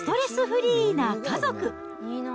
フリーな家族。